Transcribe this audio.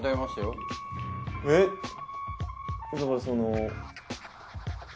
その。